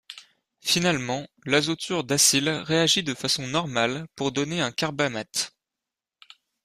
Finalement, l'azoture d'acyle réagit de façon normale pour donner un carbamate.